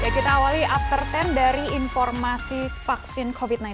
kita awali after sepuluh dari informasi vaksin covid sembilan belas